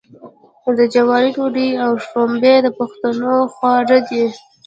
د جوارو ډوډۍ او شړومبې د پښتنو خواړه دي.